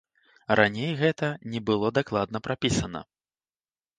Раней гэта не было дакладна прапісана.